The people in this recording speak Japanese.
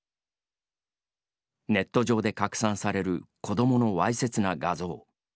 ネット上で拡散される子どものわいせつな画像。